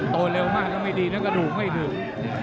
เร็วมากก็ไม่ดีนะกระดูกไม่ดื่ม